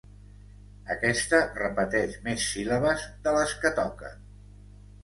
Aquesta repeteix més síl·labes de les que toquen.